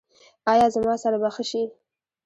ایا زما سر به ښه شي؟